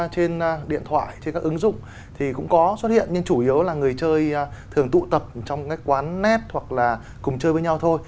trên điện thoại trên các ứng dụng thì cũng có xuất hiện nhưng chủ yếu là người chơi thường tụ tập trong các quán net hoặc là cùng chơi với nhau thôi